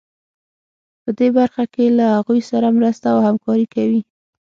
په دې برخه کې له هغوی سره مرسته او همکاري کوي.